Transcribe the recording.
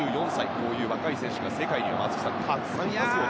こういう選手が世界にはたくさんいますよね。